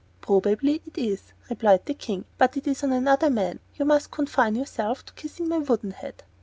"Probably it is," replied the King; "but it is on another man. You must confine yourself to kissing my wooden head."